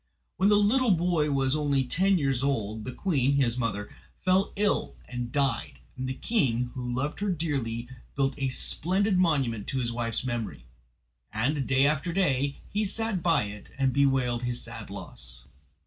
When the little boy was only ten years old the queen, his mother, fell ill and died, and the king, who loved her dearly, built a splendid monument to his wife's memory, and day after day he sat by it and bewailed his sad loss.